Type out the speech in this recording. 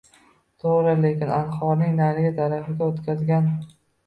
Toʻgʻri, lekin anhorning narigi tarafiga oʻtqazgan.